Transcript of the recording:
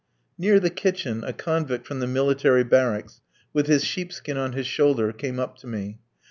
Near the kitchen, a convict from the military barracks, with his sheepskin on his shoulder, came up to me.